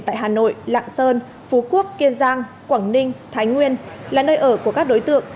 tại hà nội lạng sơn phú quốc kiên giang quảng ninh thái nguyên là nơi ở của các đối tượng